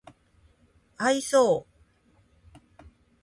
愛想